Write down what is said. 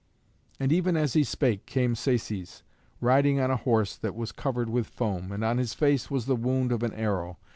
And even as he spake came Saces, riding on a horse that was covered with foam, and on his face was the wound of an arrow.